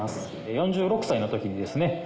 ４６歳の時にですね